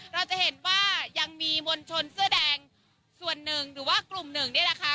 เราจะเห็นว่ายังมีมวลชนเสื้อแดงส่วนหนึ่งหรือว่ากลุ่มหนึ่งเนี่ยนะคะ